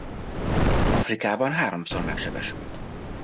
Afrikában háromszor megsebesült.